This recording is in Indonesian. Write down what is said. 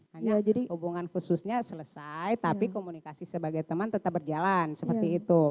hanya hubungan khususnya selesai tapi komunikasi sebagai teman tetap berjalan seperti itu